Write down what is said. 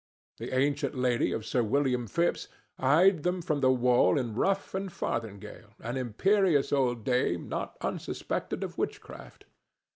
The ancient lady of Sir William Phipps eyed them from the wall in ruff and farthingale, an imperious old dame not unsuspected of witchcraft.